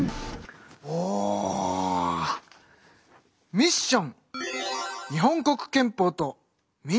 「ミッション」。